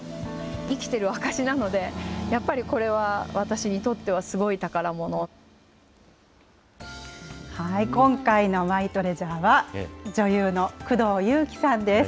生きてる証しなので、やっぱりこれは私にとってはすごい宝も今回のマイトレジャーは、女優の工藤夕貴さんです。